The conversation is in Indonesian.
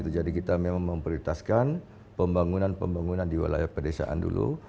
jadi kita memang memprioritaskan pembangunan pembangunan di wilayah pedesaan dulu